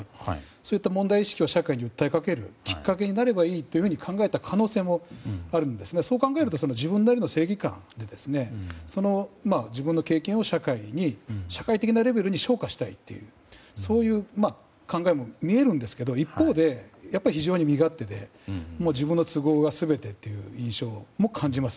そういった問題意識を社会に訴えかけるきっかけになればいいと考えた可能性もありますがそう考えると自分なりの正義感で自分の経験を社会的なレベルに昇華したいという考えも見えますが一方で、非常に身勝手で自分の都合が全てという印象も感じます。